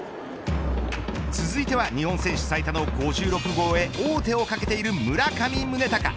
続いては日本選手最多の５６号へ王手をかけている村上宗隆。